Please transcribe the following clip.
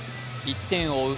１点を追う